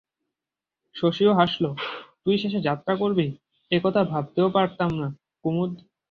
শশীও হাসিল, তুই শেষে যাত্রা করবি, একথা ভাবতেও পারতাম না কুমুদ।